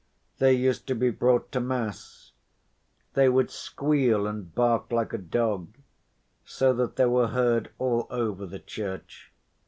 They used to be brought to mass; they would squeal and bark like a dog so that they were heard all over the church.